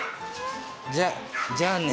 じゃあ「じゃあね」。